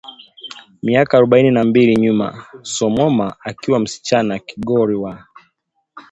Miaka arobaini na mbili nyuma Samoma akiwa msichana kigori wa